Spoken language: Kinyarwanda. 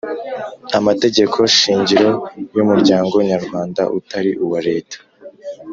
Amategeko Shingiro y Umuryango Nyarwanda utari uwa Leta